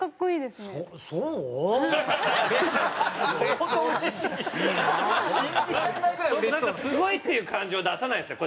すごいっていう感じを出さないんですね。